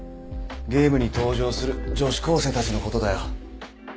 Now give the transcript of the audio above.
ゲームに登場する女子高生たちのことだよ。